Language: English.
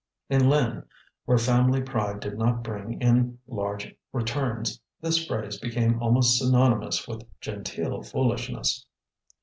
In Lynn, where family pride did not bring in large returns, this phrase became almost synonymous with genteel foolishness.